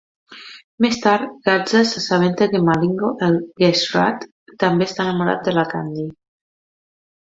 Més tard, Gazza s'assabenta que Malingo, el geshrat, també està enamorat de la Candy.